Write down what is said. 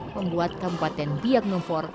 membuat kempaten biagnum fort